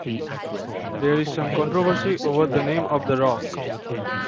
There is some controversy over the name of the rock.